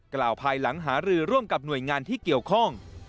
กล่าวภายหลังหารือร่วมกับหน่วยงานที่เกี่ยวข้อง